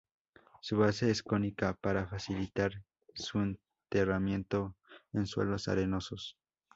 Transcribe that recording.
Su base es cónica, para facilitar su enterramiento en suelos arenosos.